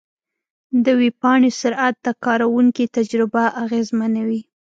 د ویب پاڼې سرعت د کارونکي تجربه اغېزمنوي.